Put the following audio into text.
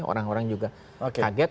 orang orang juga kaget